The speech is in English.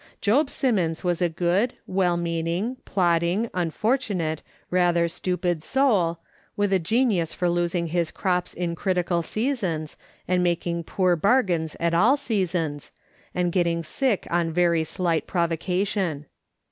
Job Sim mons was a good, well meaning, plodding, unfortu nate, rather stupid soul, with a genius for losing his crops in critical seasons, and making poor bargains at all seasons, and getting sick on very slight provocation.